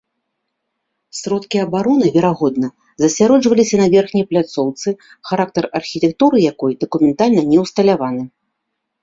Сродкі абароны, верагодна, засяроджваліся на верхняй пляцоўцы, характар архітэктуры якой дакументальна не ўсталяваны.